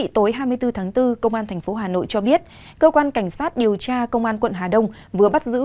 tối hai mươi bốn tháng bốn công an tp hà nội cho biết cơ quan cảnh sát điều tra công an quận hà đông vừa bắt giữ